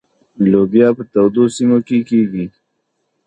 لوبیا په تودو سیمو کې کیږي.